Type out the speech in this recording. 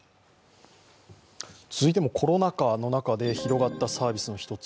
続いてもコロナ禍の中で広がったサービスの一つ。